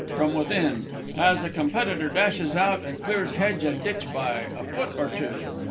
from within, as a Competitor dashes out and clears hedge and ditch by a foot or two.